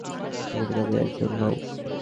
তুমি কি তাদের একজন নও।